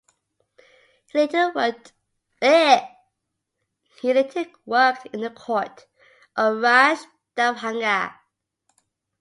He later worked in the court of Raj Darbhanga.